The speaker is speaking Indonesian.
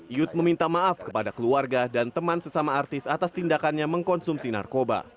yut meminta maaf kepada keluarga dan teman sesama artis atas tindakannya mengkonsumsi narkoba